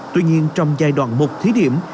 tuy nhiên trong giai đoạn một thí điểm